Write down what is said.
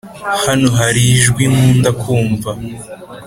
hano hari ijwi nkunda kumva